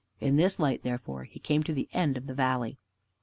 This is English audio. In this light, therefore, he came to the end of the valley.